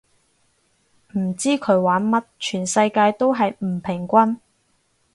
唔知佢玩乜，全世界都係唔平均